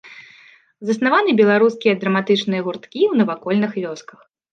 Заснаваны беларускія драматычныя гурткі ў навакольных вёсках.